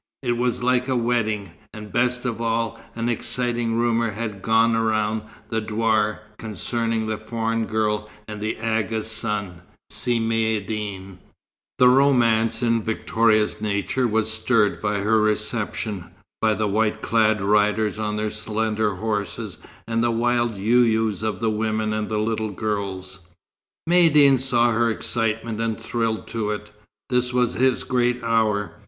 It was like a wedding; and best of all, an exciting rumour had gone round the douar, concerning the foreign girl and the Agha's son, Si Maïeddine. The romance in Victoria's nature was stirred by her reception; by the white clad riders on their slender horses, and the wild "you yous" of the women and little girls. Maïeddine saw her excitement and thrilled to it. This was his great hour.